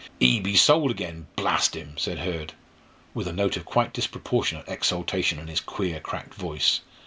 "Ee be sold again blast 'im!" said Hurd, with a note of quite disproportionate exultation in his queer, cracked voice.